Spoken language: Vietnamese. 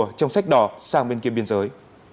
rùa trong sách đỏ sang bên kia biên giới